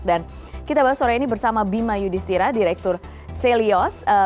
dan kita bahas sore ini bersama bima yudhistira direktur celios